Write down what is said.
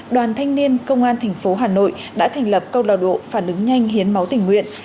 đoàn thanh niên công an thành phố hà nội đã thành lập câu lao độ phản ứng nhanh hiến máu tình nguyện